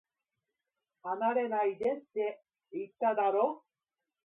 離れないでって、言っただろ